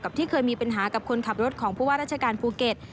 ที่เคยมีปัญหากับคนขับรถของผู้ว่าราชการภูเก็ต